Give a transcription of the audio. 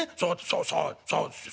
そうそうそうですよ